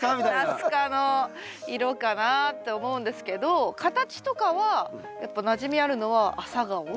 ナス科の色かなって思うんですけど形とかはやっぱなじみあるのはお。